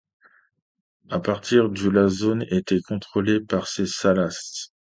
À partir du la zone était contrôlée par les Salasses.